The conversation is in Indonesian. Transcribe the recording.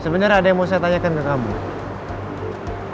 sebenarnya ada yang mau saya tanyakan ke kamu